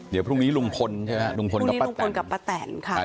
เดี๋ยวพรุ่งนี้ลุงพลใช่ไหมครับลุงพลกับป้าแต่นค่ะครับ